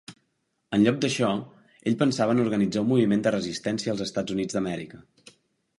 En lloc d'això, ell pensava en organitzar un moviment de resistència als Estats Units d'Amèrica.